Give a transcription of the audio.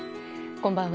こんばんは。